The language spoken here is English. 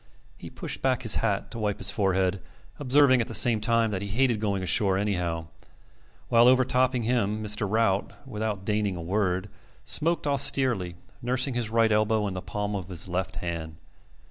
He pushed back his hat to wipe his forehead, observing at the same time that he hated going ashore anyhow; while overtopping him Mr. Rout, without deigning a word, smoked austerely, nursing his right elbow in the palm of his left hand.